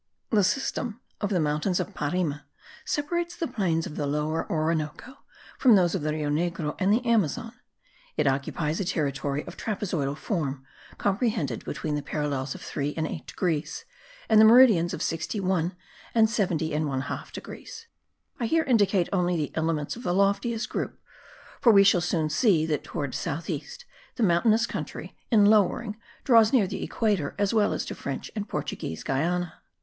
The system of the mountains of Parime separates the plains of the Lower Orinoco from those of the Rio Negro and the Amazon; it occupies a territory of trapezoidal form, comprehended between the parallels of 3 and 8 degrees, and the meridians of 61 and 70 1/2 degrees. I here indicate only the elements of the loftiest group, for we shall soon see that towards south east the mountainous country, in lowering, draws near the equator, as well as to French and Portuguese Guiana.